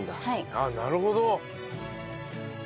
あっなるほど。